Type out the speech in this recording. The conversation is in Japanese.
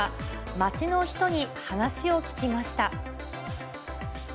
街の人に話を聞きました。